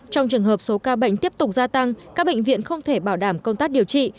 trong trường hợp số ca bệnh tiếp tục gia tăng các bệnh viện không thể bảo đảm công tác điều trị